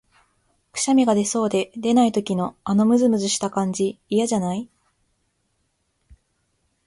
くしゃみが出そうで出ない時の、あのむずむずした感じ、嫌じゃない？